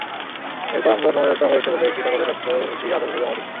এরপর আমরা সমঝোতা হয়েছে বলে একটি কাগজে স্বাক্ষর দিয়ে আদালতে জমা দিই।